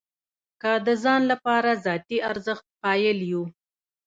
که د ځان لپاره ذاتي ارزښت قایل یو.